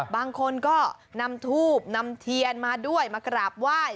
บางคนก็นำทูบนำเทียนมาด้วยมากราบไหว้